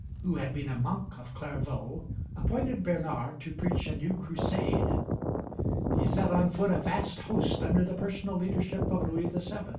who had been a monk of Clairvaux, appointed Bernard to preach a new crusade. He set on foot a vast host under the personal leadership of Louis VII.